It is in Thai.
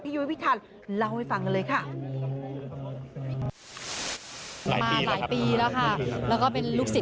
พี่ยุวิทย์ค่ะเล่าให้ฟังกันเลยค่ะ